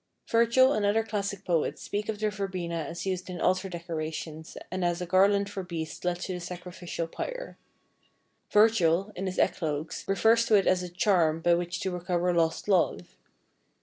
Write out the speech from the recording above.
Virgil and other classic poets speak of the Verbena as used in altar decorations and as a garland for beasts led to the sacrificial pyre. Virgil, in his Eclogues, refers to it as a charm by which to recover lost love.